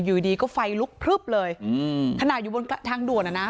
อยู่ดีก็ไฟลุกพลึบเลยอืมขนาดอยู่บนทางด่วนอ่ะนะ